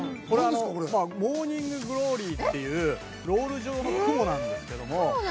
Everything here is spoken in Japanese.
これあのモーニング・グローリーっていうロール状の雲なんですけども。